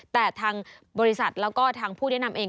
แต่ทางบริษัทแล้วก็ทางผู้แนะนำเอง